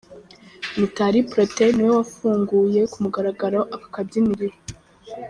Mitali Protais ni we wafunguye ku mugaragaro aka kabyiniro.